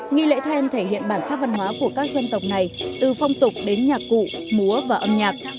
nghi lễ then thể hiện bản sắc văn hóa của các dân tộc này từ phong tục đến nhạc cụ múa và âm nhạc